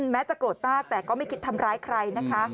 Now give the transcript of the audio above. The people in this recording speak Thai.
แม้จะโกรธมากแต่ก็ไม่คิดทำร้ายใครนะคะ